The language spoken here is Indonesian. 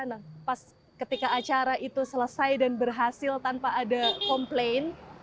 nah pas ketika acara itu selesai dan berhasil tanpa ada komplain